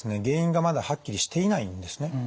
原因がまだはっきりしていないんですね。